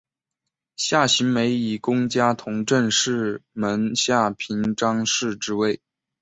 夏行美以功加同政事门下平章事之位。